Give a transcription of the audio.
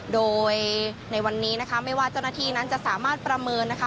โดยในวันนี้นะคะไม่ว่าเจ้าหน้าที่นั้นจะสามารถประเมินนะคะ